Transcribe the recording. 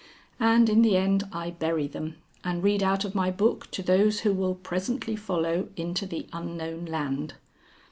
And in the end, I bury them, and read out of my book to those who will presently follow into the unknown land.